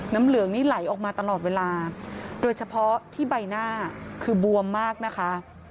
น้ำเหลืองนี่ไหลออกมาตลอดเวลาโดยเฉพาะที่ใบหน้าคือบวมมากนะคะ